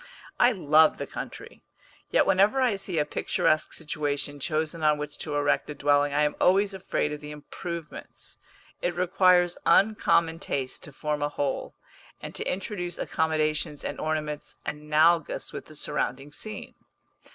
I love the country, yet whenever I see a picturesque situation chosen on which to erect a dwelling I am always afraid of the improvements. It requires uncommon taste to form a whole, and to introduce accommodations and ornaments analogous with the surrounding scene.